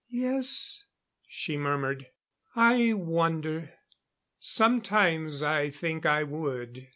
"Yes," she murmured. "I wonder. Sometimes I think I would."